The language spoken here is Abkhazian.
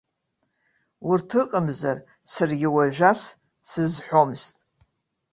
Урҭ ыҟамзар, саргьы уажәы ас сызҳәомызт.